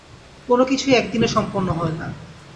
কোন কিছুই একদিনে সম্পন্ন হয় না।